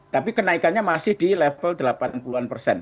tapi kenaikannya masih di level delapan puluh an persen